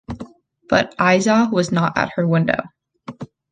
But Aizah was not at her window.